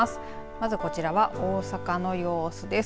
まずこちらは大阪の様子です。